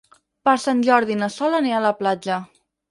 Per Sant Jordi na Sol anirà a la platja.